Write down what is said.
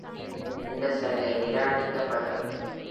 இந்த சலுகை நிராகரிக்கப்பட்டது.